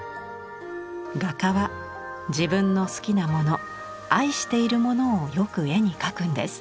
「画家は自分の好きなもの愛しているものをよく絵にかくんです。